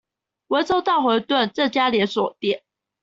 溫州大混飩這家連鎖店